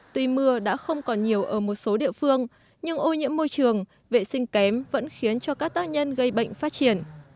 tuy mưa đã không còn nhiều ở một số địa phương nhưng ô nhiễm môi trường vệ sinh kém vẫn khiến cho các tác nhân gây bệnh phát triển